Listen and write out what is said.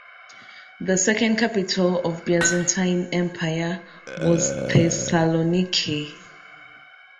The second capital of the Byzantine Empire was Thessaloniki.